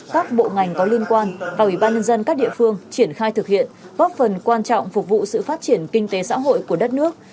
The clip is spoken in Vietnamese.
các bộ ngành có liên quan và ủy ban nhân dân các địa phương triển khai thực hiện góp phần quan trọng phục vụ sự phát triển kinh tế xã hội của đất nước